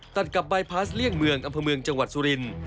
ตัดกับบายพลาสเลี่ยงเมืองอำเภอเมืองจังหวัดสุรินทร์